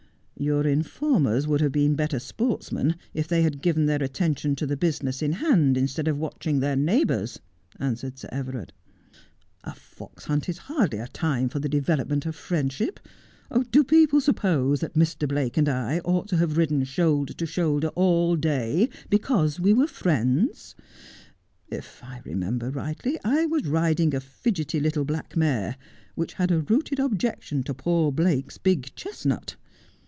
' Your informers would have been better sportsmen if they had given their attention to the business in hand instead of watching their neighbours,' answered Sir Everard. ' A fox hunt is hardly a time for the development of friendship. Do people suppose that Mr. Blake and I ought to have ridden shoulder to shoulder all day because we were friends 1 If I remember rightly, I was riding a fidgety little black mare, which had a rooted objection to poor Blake's lug chestnut.